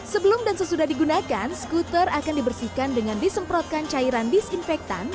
sebelum dan sesudah digunakan skuter akan dibersihkan dengan disemprotkan cairan disinfektan